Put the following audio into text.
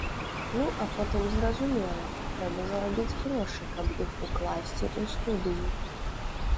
Ну, а потым, зразумела, трэба зарабіць грошы, каб іх укласці ў студыю.